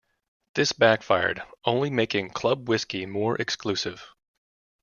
This backfired, only making Club Whisky more exclusive.